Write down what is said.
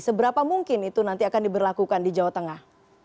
seberapa mungkin itu nanti akan diberlakukan di jawa tengah